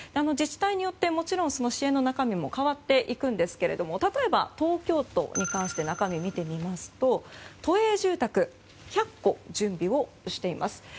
自治体によってもちろん支援の中身も変わっていくんですけれども例えば東京都に関して中身を見てみますと都営住宅１００戸を準備をしています。